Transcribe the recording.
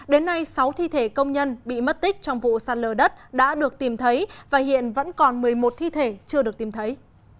đến nay sáu thi thể công nhân bị mất tích trong vụ sạt lở đất đã được tìm thấy và hiện vẫn còn một mươi một thi thể chưa được tìm thấy